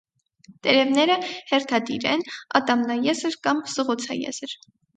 Տերևները հերթադիր են, ատամնաեզր կամ սղոցաեզր։